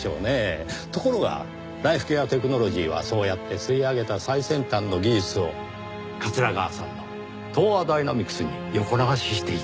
ところがライフケアテクノロジーはそうやって吸い上げた最先端の技術を桂川さんの東亜ダイナミクスに横流ししていた。